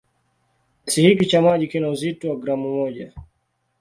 Kiasi hiki cha maji kina uzito wa gramu moja.